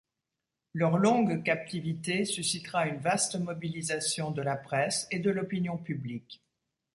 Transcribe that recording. Leur longue captivité suscitera une vaste mobilisation de la presse et de l'opinion publique.